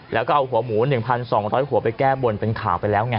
แล้วก็เอาหัวหมู๑๒๐๐หัวไปแก้บนเป็นข่าวไปแล้วไง